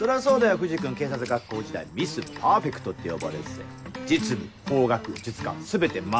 藤君警察学校時代「ミス・パーフェクト」って呼ばれてて実務法学術科全て満点。